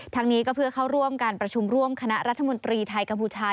ทั้งนี้ก็เพื่อเข้าร่วมการประชุมร่วมคณะรัฐมนตรีไทยกัมพูชา